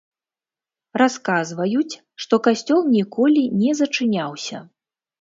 Расказваюць, што касцёл ніколі не зачыняўся.